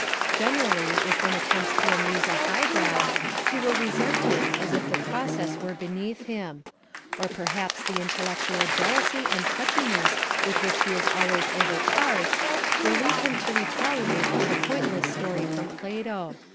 Generally, if one attempts to amuse a highbrow he will resent it as if the process were beneath him; or perhaps the intellectual jealousy and touchiness with which he is always overcharged will lead him to retaliate with a pointless story from Plato.